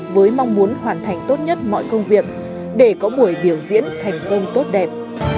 với mong muốn hoàn thành tốt nhất mọi công việc để có buổi biểu diễn thành công tốt đẹp